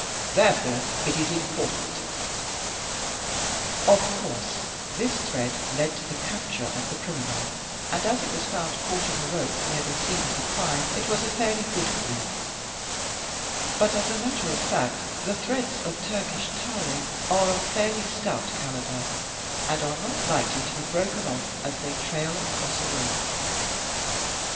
Therefore it is important." Of course this thread led to the capture of the criminal, and as it was found caught in a rope near the scene of the crime it was a fairly good clue; but as a matter of fact, the threads of Turkish toweling are of fairly stout calibre, and are not likely to be broken ofiF as they trail across a rope.